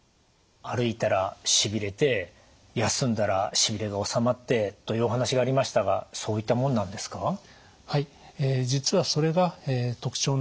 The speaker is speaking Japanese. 歩いたらしびれて休んだらしびれが治まってというお話がありましたがそういったもんなんですか？